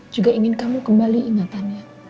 juga ingin kamu kembali ingatannya